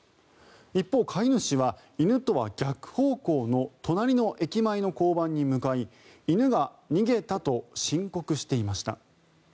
一方、飼い主は犬とは逆方向の隣の駅前の交番に向かい犬が逃げたと申告していました。